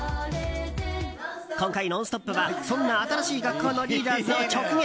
今回「ノンストップ！」はそんな新しい学校のリーダーズを直撃。